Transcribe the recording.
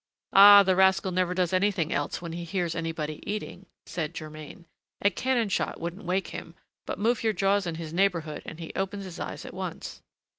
"Ah! the rascal never does anything else when he hears anybody eating!" said Germain; "a cannon shot wouldn't wake him, but move your jaws in his neighborhood, and he opens his eyes at once."